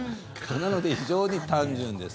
なので非常に単純です。